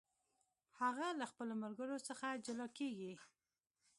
هغه له خپلو ملګرو څخه جلا کیږي.